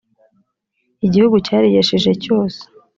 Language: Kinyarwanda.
igihugu cyariyashije cyose